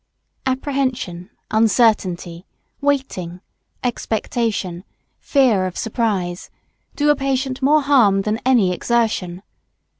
Apprehension, uncertainty, waiting, expectation, fear of surprise, do a patient more harm than any exertion.